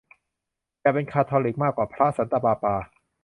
อย่าเป็นคาทอลิกมากกว่าพระสันตะปาปา